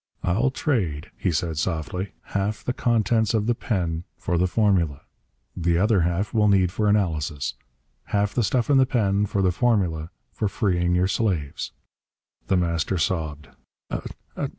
"I'll trade," he said softly. "Half the contents of the pen for the formula. The other half we'll need for analysis. Half the stuff in the pen for the formula for freeing your slaves!" The Master sobbed.